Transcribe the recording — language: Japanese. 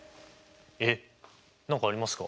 えっ何かありますか？